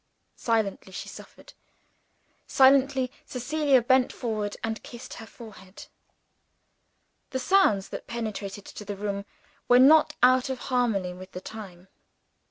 Silently she suffered. Silently Cecilia bent forward, and kissed her forehead. The sounds that penetrated to the room were not out of harmony with the time.